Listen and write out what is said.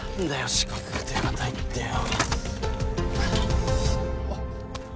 四角くて硬いってよあっ